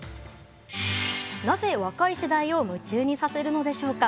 なぜ、若い世代を夢中にさせるのでしょうか。